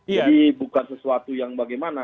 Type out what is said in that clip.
jadi bukan sesuatu yang bagaimana